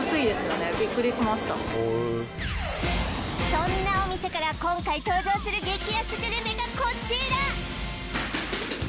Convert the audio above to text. そんなお店から今回登場する激安グルメがこちら